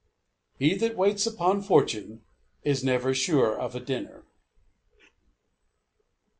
He that waits upon fortune is never sure of a dinner.